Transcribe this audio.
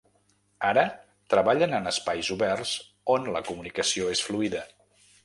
Ara treballen en espais oberts on la comunicació és fluida.